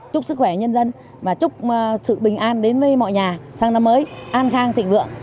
chúc sức khỏe nhân dân và chúc sự bình an đến với mọi nhà sang năm mới an khang thịnh vượng